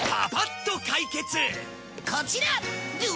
こちら！